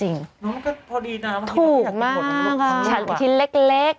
น้องก็พอดีนะถูกมากค่ะฉะละชิ้นเล็ก